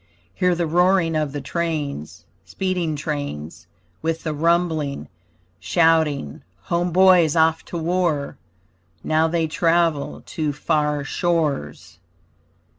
Hear the roaring of the trains, Speeding trains With the rumbling. Shouting home boys off to war! Now they travel to far shores.